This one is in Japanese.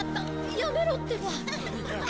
やめろってば。